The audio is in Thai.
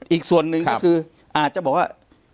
อีกส่วนหนึ่งก็คืออาจจะบอกว่า